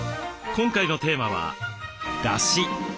今回のテーマは「だし」。